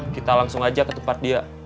kita langsung aja ke tempat dia